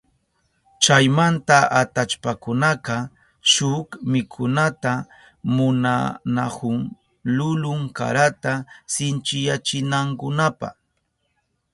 Chaymanta atallpakunaka shuk mikunata munanahun lulun karata sinchiyachinankunapa.